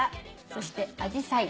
そしてアジサイ。